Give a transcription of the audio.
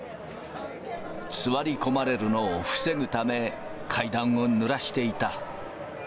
座り込まれるのを防ぐため、階段をぬらしていた。